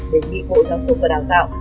để nghị bộ giáo dục và đào tạo